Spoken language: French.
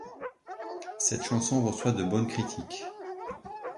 Cette chanson reçoit de bonnes critiques.